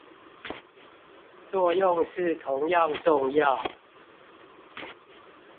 作用是同樣重要